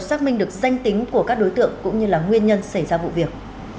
xác minh được danh tính của các đối tượng cũng như nguyên nhân xảy ra vụ việc